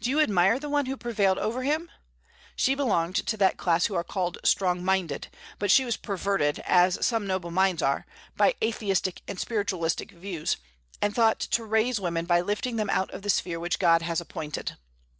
Do you admire the one who prevailed over him? She belonged to that class who are called strong minded; but she was perverted, as some noble minds are, by atheistic and spiritualistic views, and thought to raise women by lifting them out of the sphere which God has appointed.